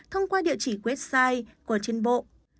thông qua địa chỉ website của trên bộ